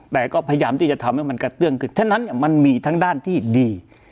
แต่ก็พยายามที่จะทำให้มันกระเตื้องขึ้นฉะนั้นมันมีทั้งด้านที่ดี